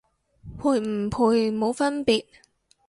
賠唔賠冇分別